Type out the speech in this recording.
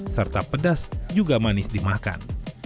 serta pedas juga manis dimakan